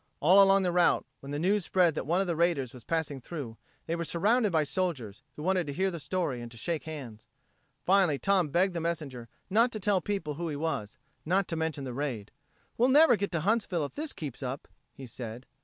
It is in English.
All along the route, when the news spread that one of the raiders was passing through, they were surrounded by soldiers, who wanted to hear the story and to shake hands. Finally Tom begged the messenger not to tell people who he was, not to mention the raid. "We'll never get to Huntsville if this keeps up," he said.